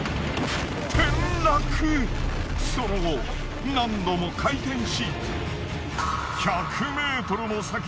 その後何度も回転し。